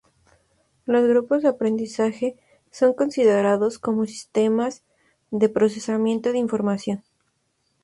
Los grupos de aprendizaje son considerados como sistemas de procesamiento de información.